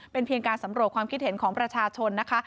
เป็นเพียงการสำรวจความคิดเห็นของประชาชนนะคะ